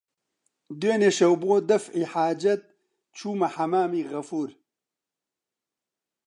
دوێنێ شەو بۆ دەفعی حاجەت چوومە حەممامی غەفوور